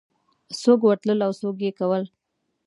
څوک ورتلل او څه یې کول